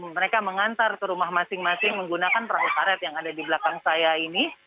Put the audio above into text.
mereka mengantar ke rumah masing masing menggunakan perahu karet yang ada di belakang saya ini